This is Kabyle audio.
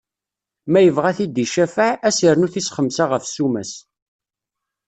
Ma yebɣa ad t-id-icafeɛ, ad s-irnu tis xemsa ɣef ssuma-s.